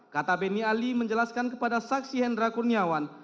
kata beni ali menjelaskan kepada saksi hendra kurniawan